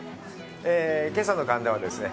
今朝の神田はですね